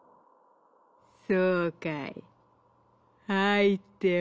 「そうかいはいっておいで」。